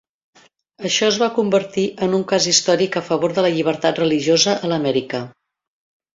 Això es va convertir en un cas històric a favor de la llibertat religiosa a l'Amèrica.